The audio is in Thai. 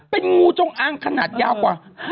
เป็นงูจงอ้างขนาดยาวกว่า